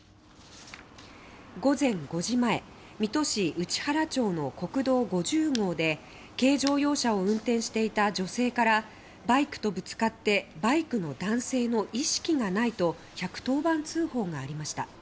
午前５時前水戸市内原町の国道５０号で軽乗用車を運転していた女性からバイクとぶつかってバイクの男性の意識がないと１１０番通報がありました。